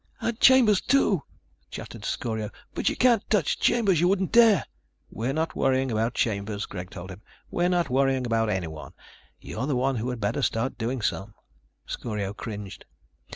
"And Chambers, too," chattered Scorio. "But you can't touch Chambers. You wouldn't dare." "We're not worrying about Chambers," Greg told him. "We're not worrying about anyone. You're the one who had better start doing some." Scorio cringed.